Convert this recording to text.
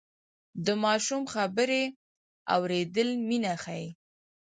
د ماشوم خبرې اورېدل مینه ښيي.